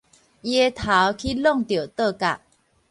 伊的頭去挵著桌角